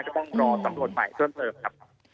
ก็ต้องรอตำรวจใหม่เพิ่มเติมครับ